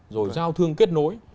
rồi giao thương kết nối